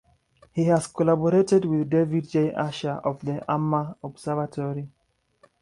He has collaborated with David J. Asher of the Armagh Observatory.